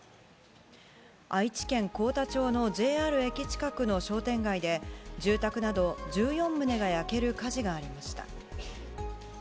愛知県幸田町のＪＲ幸田駅近くの商店街で住宅など１４棟が焼ける火事がありました。